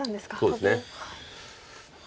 そうですね。